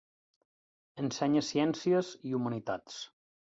Ensenya ciències i humanitats.